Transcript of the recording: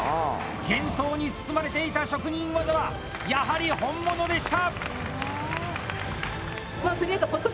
幻想に包まれていた職人技はやはり本物でした！